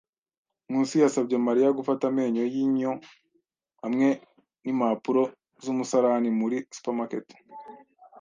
Nkusi yasabye Mariya gufata amenyo yinyo hamwe nimpapuro zumusarani muri supermarket.